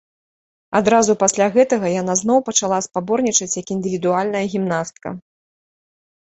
Адразу пасля гэтага яна зноў пачала спаборнічаць як індывідуальная гімнастка.